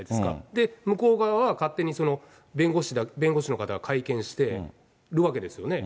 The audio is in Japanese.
で、向こう側は勝手に弁護士の方が会見してるわけですよね。